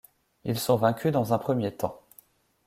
Ils sont vaincus dans un premier temps.